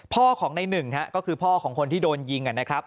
พ่อของในหนึ่งก็คือพ่อของคนที่โดนยิงนะครับ